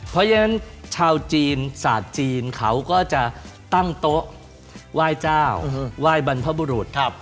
เพราะฉะนั้นชาวจีนศาสตร์จีนเขาก็จะตั้งโต๊ะไหว้เจ้าไหว้บรรพบุรุษ